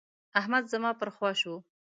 احمد زما پر خوا شو.